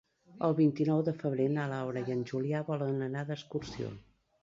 El vint-i-nou de febrer na Laura i en Julià volen anar d'excursió.